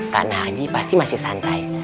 karena harji pasti masih santai